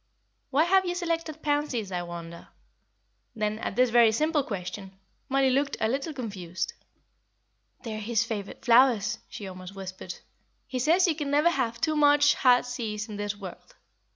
Why have you selected pansies, I wonder?" Then, at this very simple question, Mollie looked a little confused. "They are his favourite flowers," she almost whispered; "he says you can never have too much heart's ease in this world."